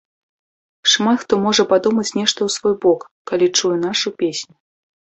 Шмат хто можа падумаць нешта ў свой бок, калі чуе нашу песню.